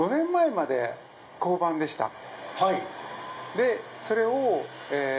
でそれを。